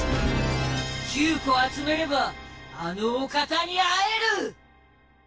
９こあつめればあのお方に会える！